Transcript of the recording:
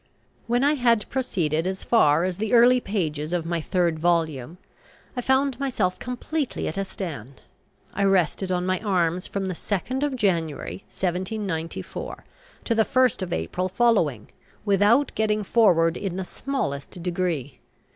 When I had proceeded as far as the early pages of my third volume, I found myself completely at a stand. I rested on my arms from the 2nd of January, 1794, to the 1st of April following, without getting forward in the smallest degree.